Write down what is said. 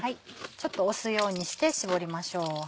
ちょっと押すようにして絞りましょう。